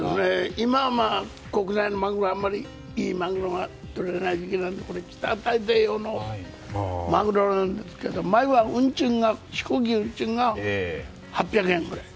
今は国内のマグロあまりいいマグロがとれないんだけど北太平洋のマグロなんだけど前は飛行機の運賃が８００円ぐらい。